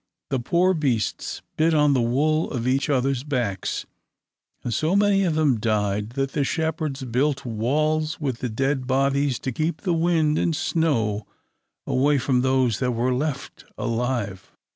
The poor beasts bit at the wool on each other's backs, and so many of them died that the shepherds built walls with the dead bodies to keep the wind and snow away from those that were left alive.